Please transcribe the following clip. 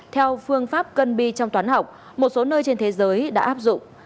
theo phương pháp cân bi trong toán học một số nơi trên thế giới đã áp dụng